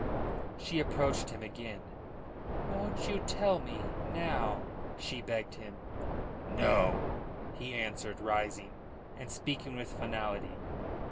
She approached him again. "Won't you tell me now?" she begged him. "No," he answered, rising, and speaking with finality.